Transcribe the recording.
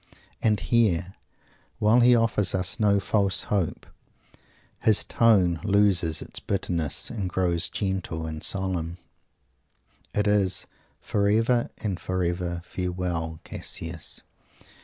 And here, while he offers us no false hope, his tone loses its bitterness, and grows gentle and solemn. It is "Forever and forever, farewell, Cassius.